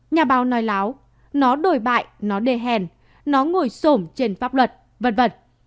nhà báo nói láo nó đổi bại nó đê hèn nó ngồi sổm trên pháp luật v v